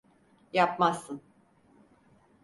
Yapmazsın.